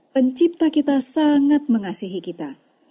pencipta kita sangat mengasihi kita